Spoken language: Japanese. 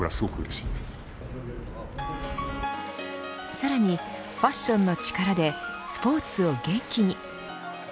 さらに、ファッションの力でスポーツを元気に。